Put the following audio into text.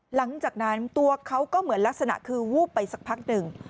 หลังจากนั้นตัวเขาก็เหมือนลักษณะคือวูบไปสักพักหนึ่ง